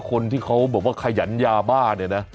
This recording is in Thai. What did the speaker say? คนที่เขาบอกว่าขยันยาบ้าเนี่ยนะ